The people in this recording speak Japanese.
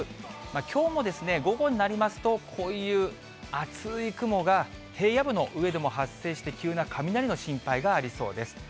きょうも午後になりますと、こういう厚い雲が平野部の上でも発生して、急な雷の心配がありそうです。